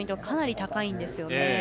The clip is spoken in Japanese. かなり高いんですよね。